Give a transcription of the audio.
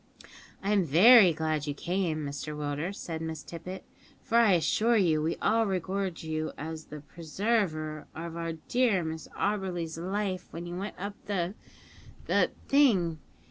"I'm very glad you came, Mr Willders," said Miss Tippet, "for I assure you we all regard you as the preserver of our dear Miss Auberly's life when you went up the the thing.